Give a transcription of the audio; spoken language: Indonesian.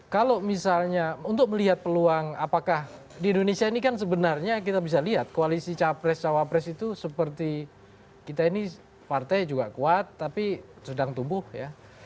kalau misalnya untuk melihat peluang apakah di indonesia ini kan sebenarnya kita bisa lihat koalisi capres cawapres itu seperti kita ini partai juga kuat tapi sedang tumbuh ya